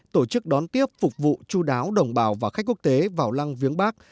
tổ chức đón tiếp phục vụ chú đáo đồng bào và khách quốc tế vào lăng viếng bắc